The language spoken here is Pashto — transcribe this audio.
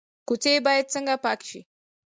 کوڅې باید څنګه پاکې شي؟